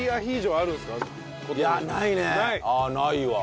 ああないわ。